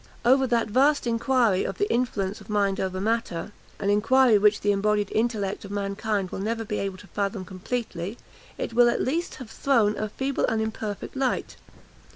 Over that vast inquiry of the influence of mind over matter, an inquiry which the embodied intellect of mankind will never be able to fathom completely, it will at least have thrown a feeble and imperfect light.